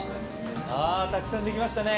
ああたくさん出来ましたね。